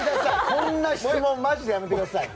こんな質問マジでやめてください。